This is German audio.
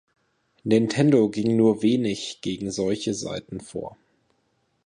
Nintendo ging nur wenig gegen solche Seiten vor.